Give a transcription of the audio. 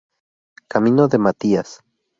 Camino de Matías